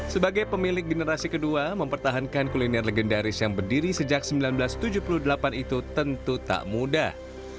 sebagai pemilik generasi kedua mempertahankan kuliner legendaris yang berdiri sejak seribu sembilan ratus tujuh puluh delapan itu tentu tak mudah